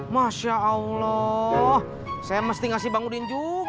masya allah saya mesti ngasih bangunin juga